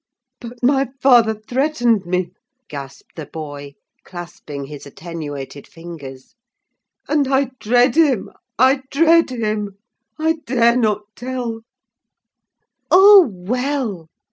"But my father threatened me," gasped the boy, clasping his attenuated fingers, "and I dread him—I dread him! I dare not tell!" "Oh, well!"